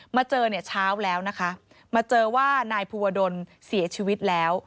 เจอเนี่ยเช้าแล้วนะคะมาเจอว่านายภูวดลเสียชีวิตแล้ว